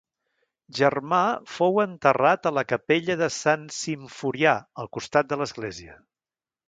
Germà fou enterrat a la capella de Sant Simforià al costat de l'església.